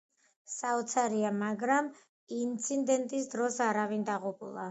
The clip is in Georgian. საოცარია, მაგრამ ინცინდენტის დროს არავინ დაღუპულა.